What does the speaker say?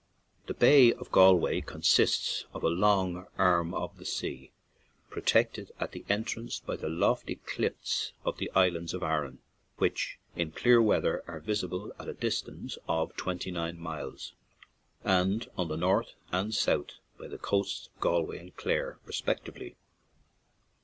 The Bay of Galway consists of a long arm of the sea, protected at the entrance by the lofty cliffs of the islands of Aran, which in clear weather are visible at a distance of twenty nine miles, and on the north and south by the coasts of Gal way and Clare, respectively.